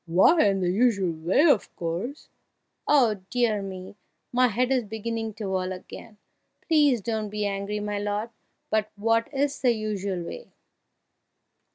why in the usual way, of course!" "Oh, dear me! my head is beginning to whirl again! Please don't be angry, my lord, but what is the usual way?"